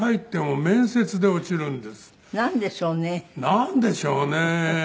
なんでしょうね？